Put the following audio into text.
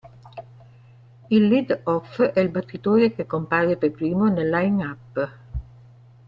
Il Lead Off è il battitore che compare per primo nel Line Up.